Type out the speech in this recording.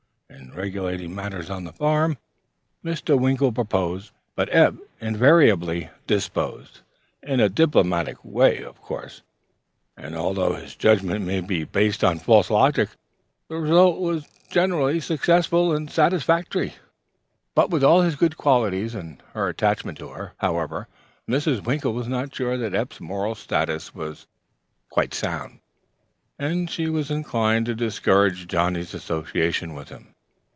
In regulating matters on the farm Mr. Winkle proposed, but Eph invariably disposed, in a diplomatic way, of course; and, although his judgment might be based on false logic, the result was generally successful and satisfactory. With all his good qualities and her attachment to him, however, Mrs. Winkle was not sure that Eph's moral status was quite sound, and she was inclined to discourage Johnnie's association with him.